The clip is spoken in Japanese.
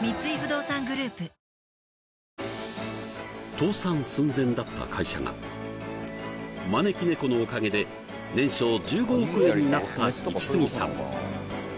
倒産寸前だった会社が招き猫のおかげで年商１５億円になったイキスギさん